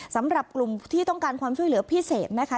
สำหรับกลุ่มที่ต้องการความช่วยเหลือพิเศษนะคะ